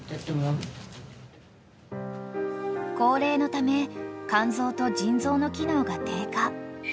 ［高齢のため肝臓と腎臓の機能が低下］